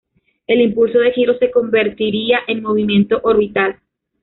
El impulso de giro se convertiría en movimiento orbital.